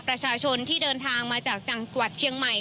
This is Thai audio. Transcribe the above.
ประชาชนที่เดินทางมาจากจังหวัดเชียงใหม่